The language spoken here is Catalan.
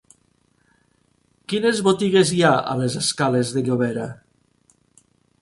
Quines botigues hi ha a la escales de Llobera?